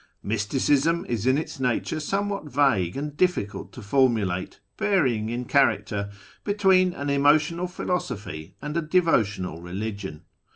Mysticism is in its nature somewhat vague and difficult to formulate, varying in character between an emotional philosophy and a devotional religion.